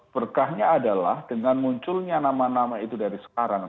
berkahnya adalah dengan munculnya nama nama itu dari sekarang